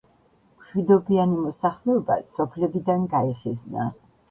მშვიდობიანი მოსახლეობა სოფლებიდან გაიხიზნა.